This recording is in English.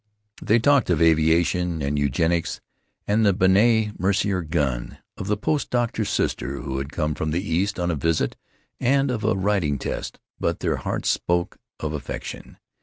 They talked of aviation and eugenics and the Benét Mercier gun, of the post doctor's sister who had come from the East on a visit, and of a riding test, but their hearts spoke of affection....